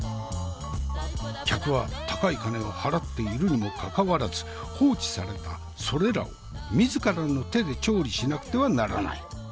客は高い金を払っているにもかかわらず放置されたそれらを自らの手で調理しなくてはならない。